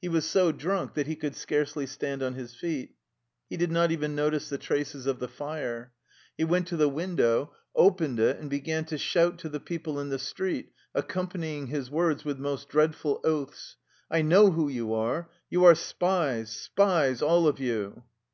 He was so drunk that he could scarcely stand on his feet. He did not even notice the traces of the fire. He went to the window, opened it, and began to shout to the people in the street, accompanying his words with most dreadful oaths :" I know who you are. You are spies — spies, all of you."